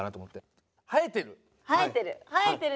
生えてる。